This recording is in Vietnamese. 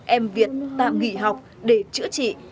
em việt tạm nghỉ học để chữa trị